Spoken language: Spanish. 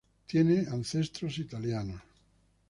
Tiene ancestros italianos.